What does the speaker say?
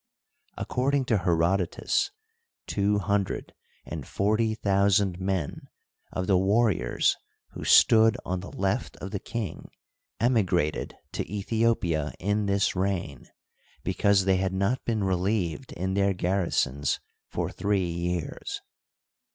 According to Herodotus, two hundred and forty thousand men of the warriors who stood on the left of the king " emigrated to Aethiopia in this reign because they had not been relieved in their gar risons for three years.